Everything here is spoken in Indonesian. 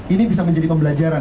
ini bisa menjadi pembelajaran